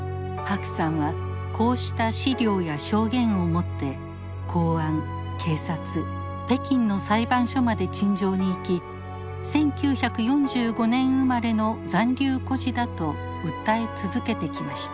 白さんはこうした資料や証言を持って公安警察北京の裁判所まで陳情に行き１９４５年生まれの残留孤児だと訴え続けてきました。